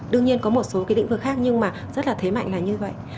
đương nhiên có một số cái lĩnh vực khác nhưng mà rất là thế mạnh là như vậy